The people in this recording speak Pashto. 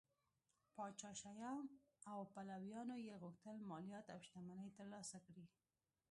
پاچا شیام او پلویانو یې غوښتل مالیات او شتمنۍ ترلاسه کړي